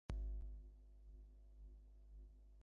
এককালে এই ভারতবর্ষে ধর্মের আর মোক্ষের সামঞ্জস্য ছিল।